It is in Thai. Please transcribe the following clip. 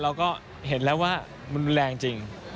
เราก็เห็นแล้วว่ามันรุนแรงจริง